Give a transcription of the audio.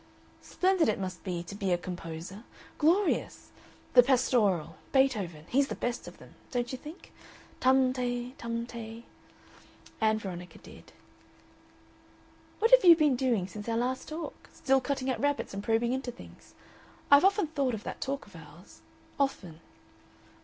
"Splendid it must be to be a composer. Glorious! The Pastoral. Beethoven; he's the best of them. Don't you think? Tum, tay, tum, tay." Ann Veronica did. "What have you been doing since our last talk? Still cutting up rabbits and probing into things? I've often thought of that talk of ours often."